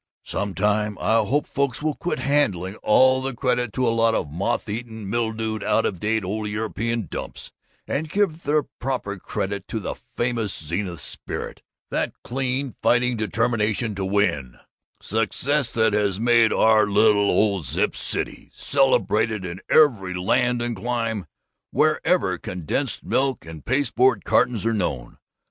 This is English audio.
"'Some time I hope folks will quit handing all the credit to a lot of moth eaten, mildewed, out of date, old, European dumps, and give proper credit to the famous Zenith spirit, that clean fighting determination to win Success that has made the little old Zip City celebrated in every land and clime, wherever condensed milk and pasteboard cartons are known!